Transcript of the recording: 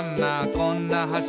こんな橋」